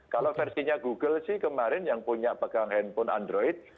kalau versinya google sih kemarin yang punya pegang handphone android